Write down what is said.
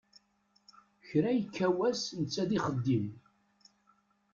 Kra yekka wass netta d ixeddim.